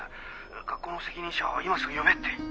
学校の責任者を今すぐ呼べって。